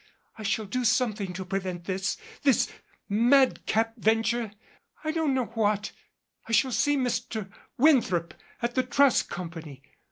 I shall do something to prevent this this madcap ven ture I don't know what. I shall see Mr. Winthrop at the Trust Company.